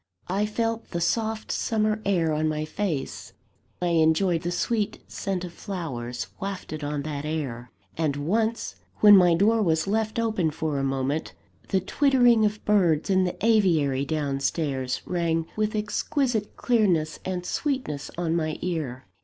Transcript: I felt the soft summer air on my face; I enjoyed the sweet scent of flowers, wafted on that air; and once, when my door was left open for a moment, the twittering of birds in the aviary down stairs, rang with exquisite clearness and sweetness on my ear.